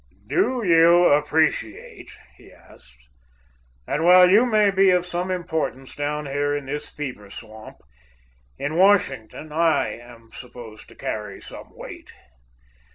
"Do you appreciate," he asked, "that, while you may be of some importance down here in this fever swamp, in Washington I am supposed to carry some weight?